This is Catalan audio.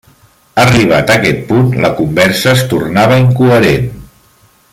Arribat aquest punt, la conversa es tornava incoherent.